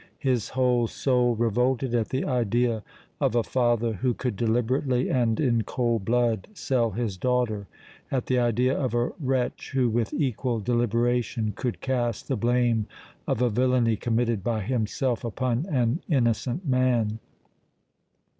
His whole soul revolted at the idea of a father who could deliberately and in cold blood sell his daughter, at the idea of a wretch who with equal deliberation could cast the blame of a villainy committed by himself upon an innocent man.